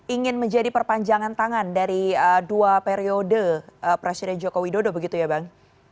ingin menjadi perpanjangan tangan dari dua periode presiden joko widodo begitu ya bang